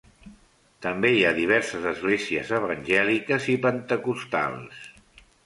També hi ha diverses esglésies evangèliques i pentecostals.